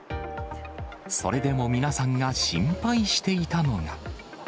それでも皆さんが心配していたのが。